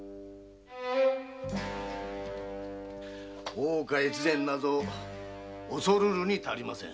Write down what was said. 大岡越前など恐るるに足りませぬ。